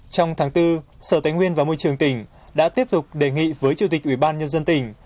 trong tháng bốn sở tài nguyên và môi trường tỉnh đã tiếp tục đề nghị với chủ tịch ủy ban nhân dân tỉnh